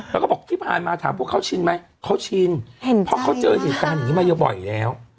แล้วก็บอกที่ผ่านมาถามพวกเขาชินไหมเขาชินเพราะเขาเจอเหตุการณ์อย่างนี้มาเยอะบ่อยแล้ว